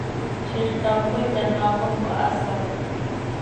¡Zixcám coi canoaa com cöhahásacot!